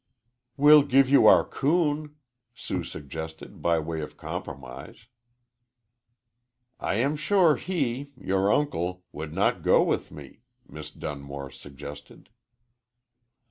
"We'll give you our coon," Sue suggested, by way of compromise. "I am sure he your uncle would not go with me," Miss Dunmore suggested.